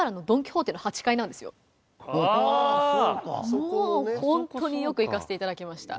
もうホントによく行かせて頂きました。